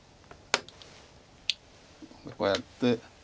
こうやって。